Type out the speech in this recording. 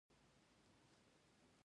دا کتاب د خیر او شر مبارزه څیړي.